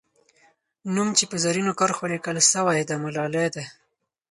نوم چې په زرینو کرښو لیکل سوی، د ملالۍ دی.